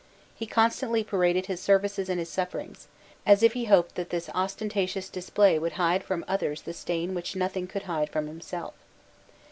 He constantly paraded his services and his sufferings, as if he hoped that this ostentatious display would hide from others the stain which nothing could hide from himself.